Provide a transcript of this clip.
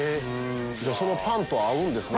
じゃあそのパンと合うんですね。